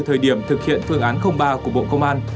thời điểm thực hiện phương án ba của bộ công an